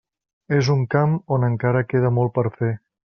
És un camp on encara queda molt per fer.